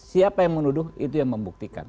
siapa yang menuduh itu yang membuktikan